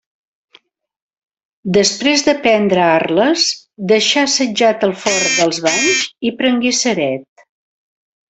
Després de prendre Arles, deixà assetjat el Fort dels Banys i prengué Ceret.